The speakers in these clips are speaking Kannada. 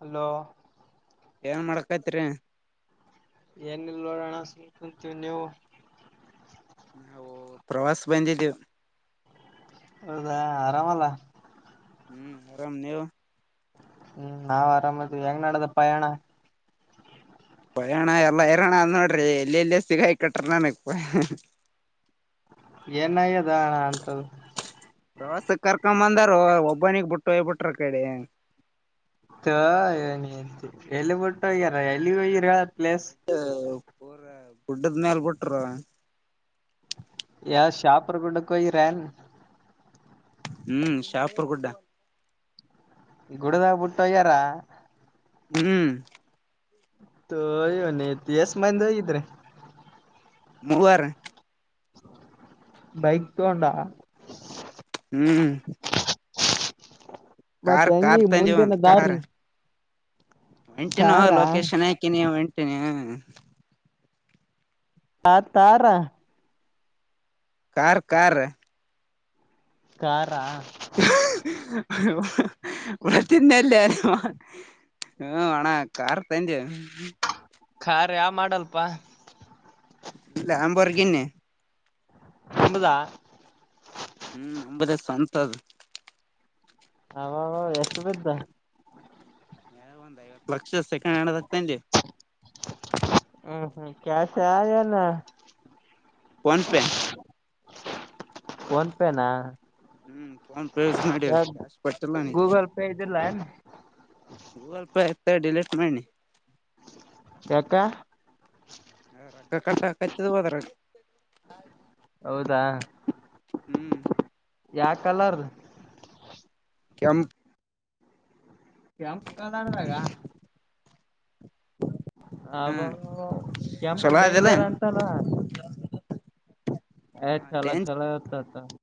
ಹಲೋ ಏನ್ ಮಾಡಕತ್ರಿ ಏನೇನ್ ನೋಡೋಣ ಸುಂಕುಂತೀವಿ ನೀವು ನಾವು ಪ್ರವಾಸ ಬಂದಿದ್ದೀವಿ ಹೌದಾ ಆರಾಮಲ್ಲ ಹ್ಮ್ ಆರಾಮ್ ನೀವು ಹ್ಮ್ ನಾವ್ ಆರಾಮದ್ವಿ ಹೆಂಗ್ ನಡದ ಪಯಣ ಪಯಣ ಐರಣ್ಣ ಆದ ನೋಡ್ರಿ ನಮಗೆ ಎಲ್ಲೆಲ್ಲೋ ಸಿಗಾಕ್ಬಿಟ್ರ [inaudible] ಏನ್ಯ್ಯದಣ್ಣ ಅಂತದು ಪ್ರವಾಸಕ್ ಕರ್ಕೊ ಬಂದಾರ ಒಬ್ಬನಿಗ್ ಬಿಟ್ಟು ಹಯ್ಬಿಟ್ರ ಆಕಡೆ ಏನ ಎಲ್ಲಿ ಬಿಟ್ಟು ಹೋಗ್ಯಾರ ಎಲ್ಲಿ ಹೋಗಿರ ಎಳ ಪ್ಲೇಸ್ ಪೂರ ಬುಡ್ಡದ ಮೇಲ್ ಬಿಟ್ರ ಯಾರ್ ಶಾಪುರ್ ಗುಡ್ಡಕ್ಕೆ ಹೋಗಿರೇನು ಹ್ಮ್ ಶಾಪುರ್ ಗುಡ್ಡ ಗುಡದಾಗ ಬಿುಟ್ಟ್ಯಾರ ಹ್ಮ್ ಯವನತಿ ಎಷ್ಟ ಮಂದ ಹಗಿದ್ರೆ ಮೂವರು ಬೈಕ್ ತಗೊಂಡಾ ಹ್ಮ್ ಮತ್ತೆ ಕಾರ್ ಹೆಂಗಿ ಕಾರ್ ತಂಧಿವಿ ಮುಂದಿನ ಅನ್ನು ಕಾರ ದಾರಿ ಎಂಟಿನ ಕಾರಾ ಲೊಕೇಶನ್ ಹಾಕಿ ನೀ ಎಂಟಿನ ಆತ್ತಾರ ಕಾರ್ ಕಾರ್ ಕಾರ ಉಳ ತಿನ್ನಲ್ಲ ಅ [unintelligible] ಹ್ಮ ಅಣ ಕಾರ್ ತಂದ್ಯಾ ಖಾರ್ ಯಾವ ಮಾಡಲ್ಪಾ ಲಂಬೊರ್ಗಿನಿ ತಮ್ಮದಾ ಹ್ಮ್ ನಮದೇ ಸ್ವಂತ ಅದು ಅವ ಎಷ್ಟು ಬಿದ್ದ ಒಂದ್ ಐವತ್ ಲಕ್ಷ ಸೆಕೆಂಡ್ ಹ್ಯಾಂಡ್ ಅಲ್ಲಿ ತಂದೆ ಹ್ಮ್ ಹ್ಮ್ ಕ್ಯಾಶ್ ಹಾ ಏನ ಫೋನ್ ಪೆ ಫೋನ್ ಪೆ ನಾ ಹ್ಮ್ ಫೋನ್ ಪೇ ಯೂಸ್ ಮಾಡ ಕ್ಯಾಶ್ ಪಟ್ಟಲ್ಲ ನೀ ಗೂಗಲ್ ಪೇ ಇದ್ದಿಲ್ಲ ಏನ್ ಗೂಗಲ್ ಪೇ ಆಗ್ತ ಡಿಲೀಟ್ ಮಾಡಿ ಎಕ್ಕ ರೊಕ್ಕ ಕಟ್ಟ ಕಚ್ಚದ ಹೋದ ರ ಹೌದಾ ಹ್ಮ್ ಯಾವ ಕಲರ್ ಕೆಂಪ್ ಕೆಂಪ ಕಲರ್ದಾಗ್ ಹ ಆಬ ಕೆಂಪ್ ಚಲೋ ಅದಿಲ್ಲ ಡೇಂಜರ್ ಅಂತಲ್ಲ ಆ ಚಲೊ ಡೇಂಜ್ ಚಲೊ ಆತ್ತತಗೊ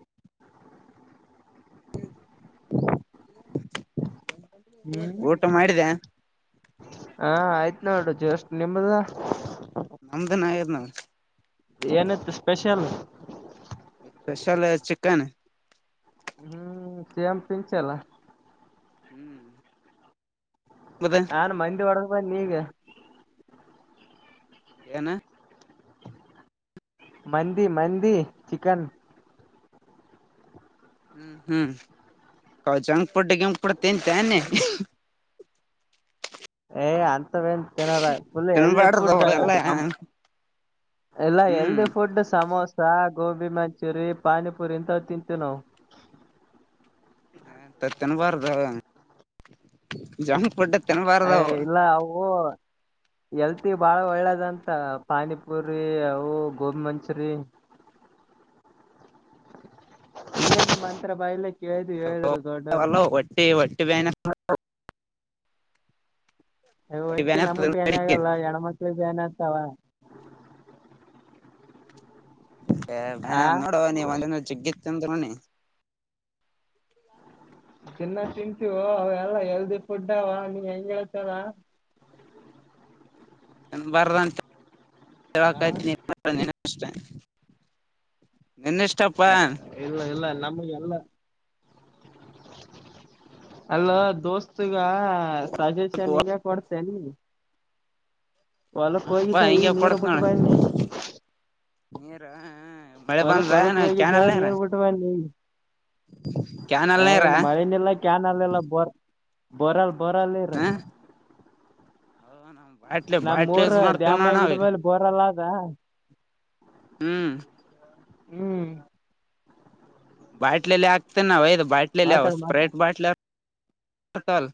ಹ್ಮ್ ಊಟ ಮಾಡಿದೆ ಹಾ ಆಯ್ತ್ ನೋಡೋ ಜಷ್ಟ್ ನಿಮ್ದ ನಮ್ದನ್ ಆಗೇದ ನಾವ ಏನಿತ್ತು ಸ್ಪೆಷಲ್ ಸ್ಪೆಷಲ್ ಚಿಕನ್ ಹ್ಮ್ ಚೇಮ ಪಿಂಚಲ್ಲ ಹ್ಮ್ ಮತ್ತೆ ನಾನು ಮಂದಿ ಒಡದ ಬಂನಿ ಯಿಗ ಏನ್... ಮಂದಿ ಮಂದಿ ಚಿಕನ್. ಹ್ಹ್ಮ್ ಹ್ಮ್ ಅವು ಜಂಗ ಫುಡ್ ಗಿಂಗ ಫುಡ್ ತಿಂದಾ ನೀನ.... ಏಯ್ ಅಂತವನ್ ತಿನ್ನಾಲ. ಪುಳ್ಳ ಹೆಲ್ದಿ ತಿನ್ಬಾರ್ದು ಫುಡ್ ಅವೆಲ್ಲ ನಮ್ದ್............. ಹ್ಮ್ ಎಲ್ಲ ಹೆಲ್ದಿ ಫುಡ್ ಸಮೋ. ಸ ಗೋಬಿ ಮಂಚೂರಿ ಪಾನಿಪುರಿ ಇಂತ ತಿಂತೀವಿ ನಾವು. ಹಂತದ್ ತಿನ್ನಬಾರದ........ ಜಾಮಪಡ್ಟ್ಟ ಅಯ್ ಇಲ್ಲ ಅವು. ಎಲ್ತಿ ಬಾಳ ಒಳ್ಳೇದಂತ ಪಾನಿಪುರಿ ಅವು ಗೋಬಿ ಮಂಚೂರಿ. ಯೇ ಮಂತ್ರ ಬಯಲ್ಲಿ. ಹಲೋ ಒಟ್ಟಿ ಒಟ್ಟಿ ಬನ್ಯ ಹತ್ತ ಅ ಹೊಟಿ ನಮಗ್ ಬೇನೆ ಆಗಲ್ಲ ಹೆಣ್ಮಕ್ಳಿಗೆ ಬೇನೆ ಆಗ್ತಾವ ಯೇ ಬ್ಯಾನ ಆ ಆದ ನೋಡುವ ನೀವ ಒಂದ ಜಿಗ್ಗಿತ್ತ ಅಂದ್ರ ನೂಡ ನಿ ತಿನ್ನ ತಿಂತೀವು ಅವೆಲ್ಲಾ ಹೆಲ್ದಿ ಫುಡ್ ಅವ ನೀಮ್ ಹೆಂಗ್ ಹೇಳ್ತನ ತಿನ್ನಬರದಂತಾಯ್........... ಆ ಅಷ್ಟೇ ಕೆಲಕಚಿ ನೆನಪಸತನಿ. ನಿನ್ನ್ ಇಷ್ಟಪ್ಪಾ ಏ, ಇಲ್ಲ ಇಲ್ಲ ನಮಗೆ ಎಲ್ಲ.... ಅಲ್ಲ ದೋಸ್ತ್ಗ ಸಜೆಶನ್ ಹಿಂಗ ಕೊಡತಿಯನ. ಒಲಕ್ ಹಪಾ ಹೋಗಿದ್ದ ಈಗ ಹಿಂಗೆ ಕೊಡತ್ ನೋಡ ನೀರುಬಟ್ಟು ಬಣ್ಣಿ ನೀರ ಮಳೆ ಹೊಲಕ್ ಹೊಲಕ್ ಬಂದಏ ಹೋಗಿದ್ದೆ ಕ್ಯಾನಲ್ನರ. ನೀರ್ ಬಿಟ್ಟ ಕ್ಯಾನಲ್ ನೀರ ಏನ್ ಮಳಲ್ಲ....... ಕಿ ಕ್ಯಾನಲ್ ಎಲ್ಲ........ ಬರ ಬೊರಲ್ ಬೊರಲ್ ನೀರ ಹ ನಾ ಬಾಟ್ಲೆ ಬಾಟ್ಲೆ ಯೂಸ್ ಮಾಡ್ತೇವಣ್ಣ ನಾವೀಗ. ಬೋರಲ್ಲ ಅದ. ಹ್ಮ್. ಹ್ಮ್ ಬಾಟ್ಲೆಲ್ಲಿ ಹಾಕತಾನ ಒಯದ ಬಾಟ್ಲೆಲ್ಲಿವು ಮಾತಾಡ ಮಾತಾಡ ಸ್ಪ್ರೇಡ್ ಬಾಟ್ಲೆ. ಹಟಲ್.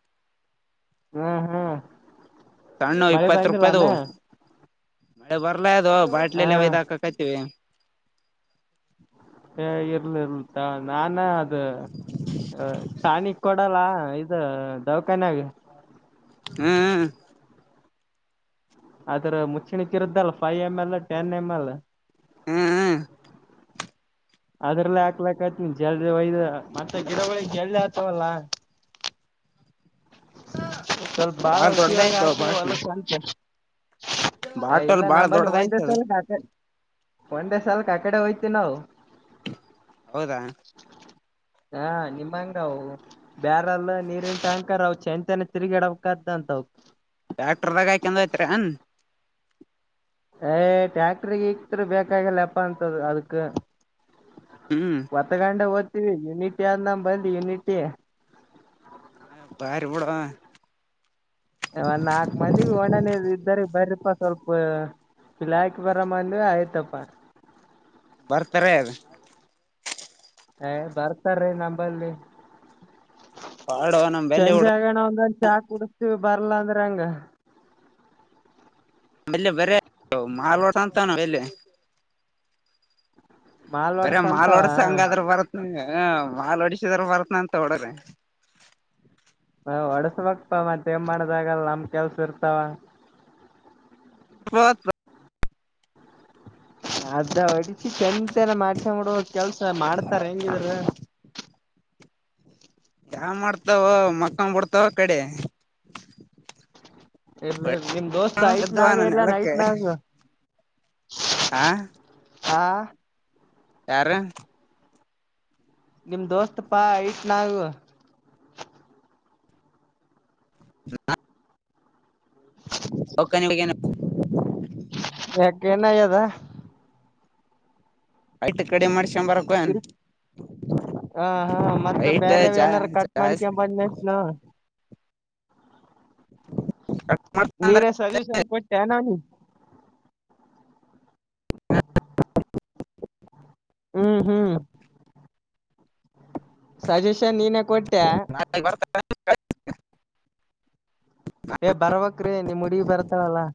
ಹಾ ಹಾ ಸಣ್ಣುವ ಮಳೆ ಇಪ್ಪತ್ತು ಬಂದಿಲ್ಲಾನ ರೂಪಾಯದುವು. ಬರ್ಲಾ ಅದು ಹಾ ಬಾಟ್ಲೆಲ್ಲಿ ವೈದ ಹಾಕಕತ್ತಿವಿ ಏ ಇರ್ಲಿ ಇರ್ಲತಾ ನಾನ ಅದು. ಟಾಣಿ ಕೊಡಲ್ಲ ಇದು ದವಖನ್ಯಾಗ. ಹ್ಮ್ ಅದ್ರ ಮುಚ್ಚಿಣಕ್ ಇರುದಲ್ಲ pi M L ten M L. ಹ್ಮ ಹ್ಮ ಅದ್ರಲ್ಲೇ ಹಾಕಬೇಕಾಗಿತ್ತ ಆತ್ ಜಲ್ದಿ ಒಯ್ದ ಮತ್ತೆ ಗಿಡಗಳಳ ಜಲ್ದಿ ಆಗ್ತವಲ್ಲ. ಹ ಸ್ವಲ್ಪ ಬಾಳ ಉಸಯೋಗ ಆಗ್ತ ವಲಕ್ಕ ಸಂಚ. ಹ ಬಾಟಲ್ ಇಲ್ಲ ಬಾಳ ನಮ ಬಲಿ ದೊಡ್ಡದಯ್ತ ಅದು ಒಂದಸಲ್ ಹಾಕ. ಒಂದೇ ಸಾಲ್ಕ್ ಆ ಕಡೆ ಹೋಗ್ತತಿವಿ ನಾವು. ಹೌದಾ ಹಾ ನಿಮ್ಮಂಗವು. ಬ್ಯಾರೆಲ್ಲ ನೀರಿನ್ಟಂಕರ್ ಅವ ಚಂತನ ತಿರುಗಿಡ್ದ ಅಂತ ಅಂತಾ ಅವಕ್. ಡಾಕ್ಟರ್ದಾಗ ಹಾಕಂದೋಯ್ತರಿನ್ ಹಣ್ಣ್. ಯ ಟ್ಯಾಕ್ಟ್ರಿ ಗಿಕ್ಟ್ರ್ ಇಕ್ತ್ ಬೇಕಾಗಿಲ್ಲ ಅಪ್ಪ ಅಂತದ ಅದಕ್. ಹ್ಮ್ ಒತ್ತಗಂಡ ಓದ್ತೀವಿ ಯುನಿಟಿ ಆದ ನಮ ಬಂದು ಯುನಿಟಿ ಬಾರಿ ಬಿಡುವ ಒಂದ್ ನಾಲ್ಕು ಮಂದಿಗೆ ಒಣನ ಇದ್ದಾರೆ ಬರ್ರಪಾ ಸ್ವಲ್ಪ ಪಿಲಾಕಕ್ ಬರ ಅಂದ್ವಿ ಆಯ್ತಪ್ಪ ಬರ್ತಾರೆ ಅದ ಏ ಬರ್ತಾರೀ ನಂಬಲ್ಲಿ ಪಾಡು ನಮ್ ಬೆಲ್ಲಿ ಚೆಂಜ ಹುಡು ಆಗಣ ಒಂದಂದ ಚಾಕ್ ಕುಡಸ್ತೀವಿ ಬರ್ಲ್ಲ ಅಂದ್ರ ಹಂಗ ಮ ಬರ ಮಾಲ್ ಟ ಅಂತ [unintelligible] ಮಾಲ್ ಬರ ಮಾಲ್ ಒಡ್ಸಂತವ ಡಸ ಹಂಗಾದ್ರ ಬರತ್ನ ಮಾಲ್ ಹೊಡಿಸಿದ್ರ ಬರತ್ನ ಅಂತ ಹೊಡ್ರ ಹ ಒಡಸಬಕ್ಪ ಮತ್ತೇಮ್ ಮಾಡದಾಗಲ್ಲ ನಮ್ ಕೆಲ್ಸ ಇರ್ತಾವ ಬತ್ ಅದ ಹೊಡಿಸಿ ಚಂತೆನ ಮಾಡ್ಸಂಬಡುವ ಕೆಲ್ಸ ಮಾಡ್ತಾರ ಹೆಂಗಿದ್ರ ಯಾವ ಮಾಡ್ತಾವ ಮಕ್ಕ ಬಿಡ್ತಾವ ಕಡೆ ಇ ನಿಮ್ ದೋಸ್ತ್ ಐಟ್ ಬಿದ್ದವ ನಾಗ ನನ್ ಇಲ್ಲ ನೈಟ್ ನೆಲಕ್ಕೆ ನಾಗ ಹಾ ಹಾ ಯಾರು ನಿಮ್ ದೋಸ್ತಪಾ ಐಟ್ ನಾಗು ಹ ಒಕ ನಿ ಬಗಏನ ಯಾಕ ಏನ್ಯದ ಆಯ್ಕಡೆ ಮಾಡ್ಸಕೊ ಬರ ಹ ಹಾ ಮತ್ತ ಐಟ್ ಬೇರೆವ ಜಾ ಏನಾರ ಕಟ್ ಮಾಡಿ ಜಾಸ್ತಿ ಕೆಪಂದ್ ಮೆಸ್ನು ಹ ನೀನ ಸಜ್ಯೂಷನ್ ಕೊಟ್ಟೆ ನೋ ನೀ ಹ್ಮ್ ಹ್ಮ್ ಸಜೆಷನ್ ನೀನೇ ಕೊಟ್ಟೆ ಹ ಬರ್ತ [unintelligible] ಏ ಬರ್ಬಕ್ ನಿಮ್ ಹುಡಗಿ ಬರ್ತಳಲ್ಲಾ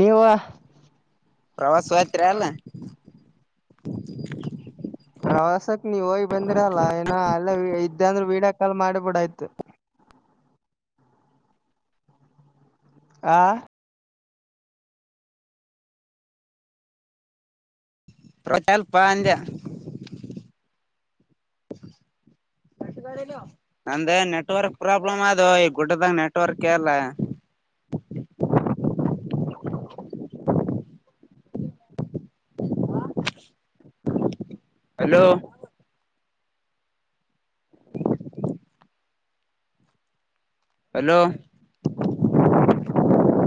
ನೀವು ಪ್ರವಾಸ ಹಯ್ತ್ ಅಲ್ಲ ಪ್ರವಾಸಕ್ ನೀವ್ ಹೋಗಿ ಬಂದಿರಲ್ಲಾ ಏನ ಅಲ್ಲ ಇದ್ದ ಅಂದ್ರೂ ವೀಡಿಯೋ ಕಾಲ್ ಮಾಡಿ ಬಿಡ ಆಯ್ತು ಆ ಪ್ರ ಚಲ್ಪ ಅಂಜ ರ [unintelligible] ನಂದೇ ನೆಟ್ವರ್ಕ್ ಪ್ರಾಬ್ಲಮ್ ಅದು ಈ ಗುಡ್ಡದಾಗ ನೆಟ್ವರ್ಕ್ಲ್ಲ ಹಲೋ ಹಲೋ